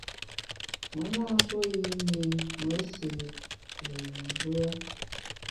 Me na ntuo yi mi me séé ké yi mvùe.